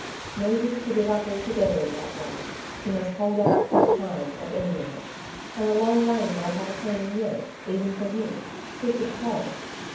No use to give up altogether in that way; he must hold out for a time, at any rate ; and the long lane might have a turning yet, even for him ; who could tell